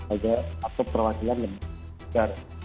agar masuk ke perwakilan lembaga